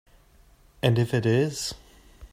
And if it is?